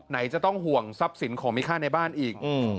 ไหนจะต้องห่วงทรัพย์สินของมีค่าในบ้านอีก